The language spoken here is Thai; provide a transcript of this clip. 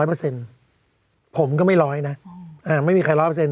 ผมก็ไม่๑๐๐นะไม่มีใคร๑๐๐